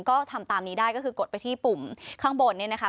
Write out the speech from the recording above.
ก็ทำตามนี้ได้ก็คือกดไปที่ปุ่มข้างบนเนี่ยนะคะ